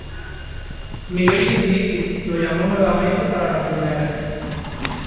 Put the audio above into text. Miguel Brindisi lo llamó nuevamente para la Primera.